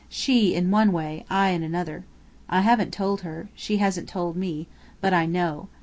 She in one way, I in another. I haven't told her. She hasn't told me. But I know.